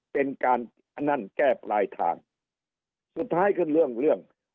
เป็นการอันนั้นแก้ปลายทางสุดท้ายขึ้นเรื่องเรื่อง